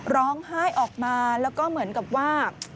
ร้องไห้ออกมาแล้วก็เหมือนกับว่า